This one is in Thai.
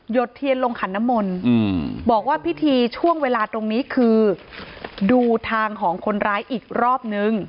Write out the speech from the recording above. เทียนลงขันน้ำมนต์บอกว่าพิธีช่วงเวลาตรงนี้คือดูทางของคนร้ายอีกรอบนึง